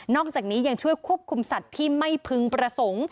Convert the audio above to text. จากนี้ยังช่วยควบคุมสัตว์ที่ไม่พึงประสงค์